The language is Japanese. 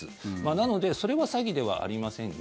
なのでそれは詐欺ではありませんが。